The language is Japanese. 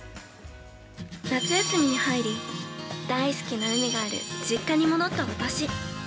◆夏休みに入り大好きな海がある実家に戻った私。